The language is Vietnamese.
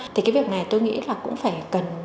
thì cái việc này tôi nghĩ là cũng phải cần